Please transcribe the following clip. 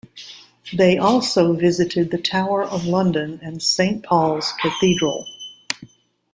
They also visited the Tower of London and Saint Paul's Cathedral.